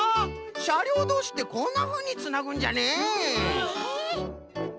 しゃりょうどうしってこんなふうにつなぐんじゃね。